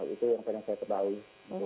itu yang pengen saya ketahui